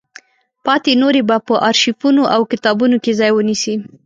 پاتې نورې به په ارشیفونو او کتابونو کې ځای ونیسي.